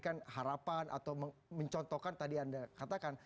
kita menghadirkan harapan atau mencontohkan tadi anda katakan